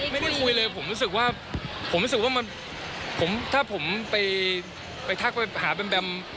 ไม่ได้คุยเลยผมรู้สึกว่าถ้าผมไปทักไปหาแบมแบม